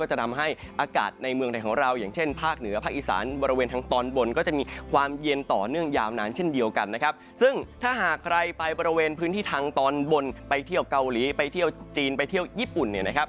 หลังจากนี้คงจะต้องตรวจสอบสภาพอากาศกันหน่อยเพราะว่าจากการเข้ามาปกปลุ่มอย่างต่อเนื่องยาวนานแบบนี้ทำให้หลายพื้นที่มีอุณหภูมิที่ค่อนข้างน่ากลัวเลยทีเดียวนะครับ